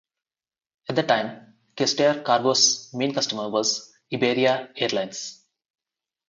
At that time Gestair Cargo's main customer was Iberia Airlines.